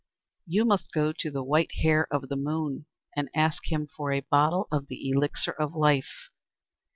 "You must go to the White Hare of the Moon, and ask him for a bottle of the elixir of life.